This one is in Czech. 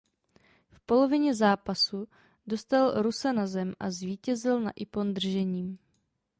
V polovině zápasu dostal Rusa na zem a zvítězil na ippon držením.